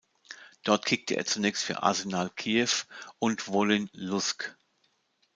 Dort kickte er zunächst für Arsenal Kiew und Wolyn Luzk.